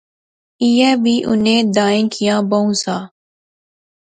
ایہہ وی انیں دائیں کیا بہوں سا